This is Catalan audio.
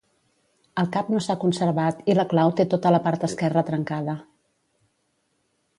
El cap no s'ha conservat i la clau té tota la part esquerra trencada.